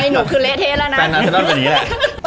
แฟนนั้นอาซานอนเป็นนี้แหละ